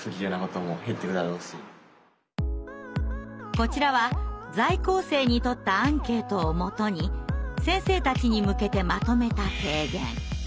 こちらは在校生に取ったアンケートをもとに先生たちに向けてまとめた提言。